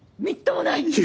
みっともない！